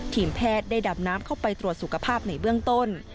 ทีมแพทย์ได้ดำน้ำเข้าไปตรวจสุขภาพในเบื้องต้น